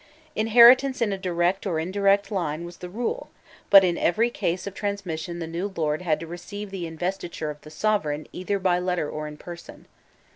Inheritance in a direct or indirect line was the rule, but in every case of transmission the new lord had to receive the investiture of the sovereign either by letter or in person.